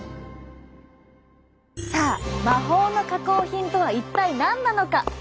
さあ魔法の加工品とは一体何なのか？